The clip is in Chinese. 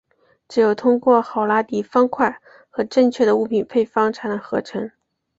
只有通过赫拉迪方块和正确的物品配方才能合成。